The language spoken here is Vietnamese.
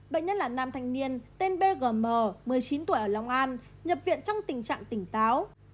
bệnh nhân là nam thanh niên tên bg một mươi chín tuổi ở long an nhập viện trong tình trạng tỉnh táo